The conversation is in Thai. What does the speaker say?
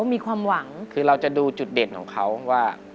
มีความหวังคือเราจะดูจุดเด่นของเขาว่า